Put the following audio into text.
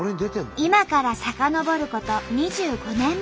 今から遡ること２５年前。